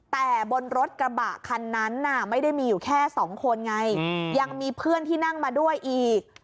แต่บนรถกระบะคันนั้นไม่ได้มีอยู่แค่สองคนไงยังมีเพื่อนที่นั่งมาด้วยอีก